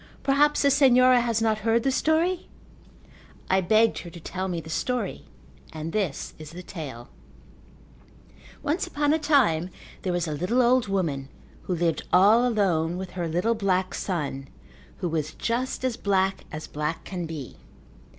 Perhaps the Senhora has not heard the story?" I begged her to tell me the story and this is the tale: Once upon a time there was a little old woman who lived all alone with her little black son who was just as black as black can be.